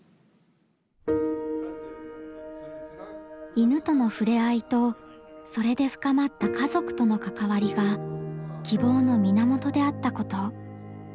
犬との触れ合いとそれで深まった家族との関わりが希望の源であったこと。